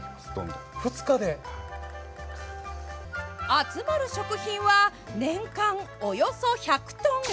集まる食品は年間およそ１００トン。